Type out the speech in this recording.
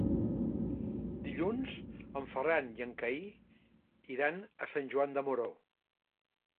Dilluns en Ferran i en Cai iran a Sant Joan de Moró.